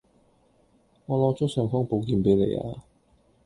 我攞咗尚方寶劍畀你呀